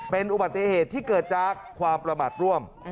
เป็นอุบัติเหตุที่เกิดจากความประมาทร่วม